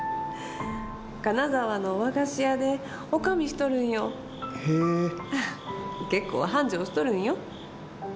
金沢の和菓子屋で女将しとるんよへえ結構繁盛しとるんよ